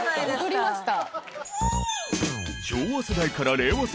踊りました。